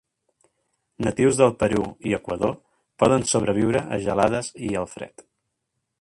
Natius del Perú i Ecuador, poden sobreviure a gelades i el fred.